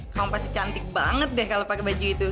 kamu pasti cantik banget deh kalau pakai baju itu